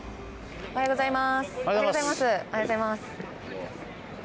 おはようございます。